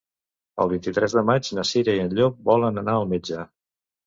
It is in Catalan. El vint-i-tres de maig na Cira i en Llop volen anar al metge.